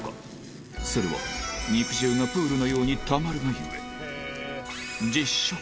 それは肉汁がプールのようにたまるがゆえ